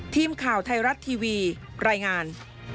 ทีมข่าวไทยรัฐทีวีรายงาน